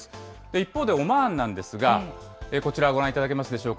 一方でオマーンなんですが、こちらご覧いただけますでしょうか。